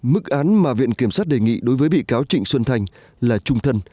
mức án mà viện kiểm sát đề nghị đối với bị cáo trịnh xuân thành là trung thân